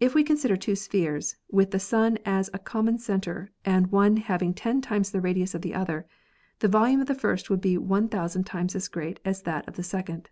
If we consider two spheres, with the Sun as common center and one having ten times the radius of the other, the volume of the first will be one thousand times as great as that of the second.